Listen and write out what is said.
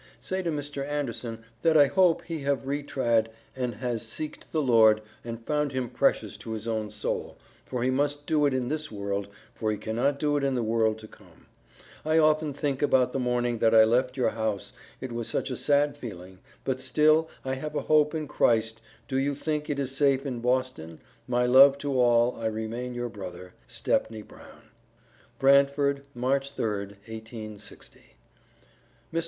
say to mr. Anderson that i hope he have retrad an has seeked the lord an found him precious to his own soul for he must do it in this world for he cannot do it in the world to come, i often think about the morning that i left your house it was such a sad feeling but still i have a hope in crist do you think it is safe in boston my love to all i remain your brother, STEPNEY BROWN. BRANTFORD, March 3d, 1860. MR.